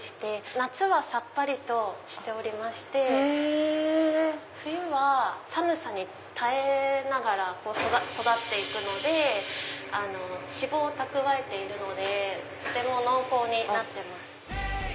夏はさっぱりとしておりまして冬は寒さに耐えながら育って行くので脂肪を蓄えているのでとても濃厚になってます。